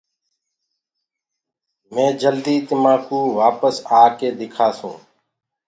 مي جلدي تمآڪو وآپس آڪي دِکآسونٚ۔